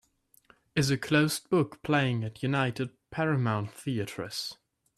Is A Closed Book playing at United Paramount Theatres